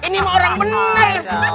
ini mah orang bener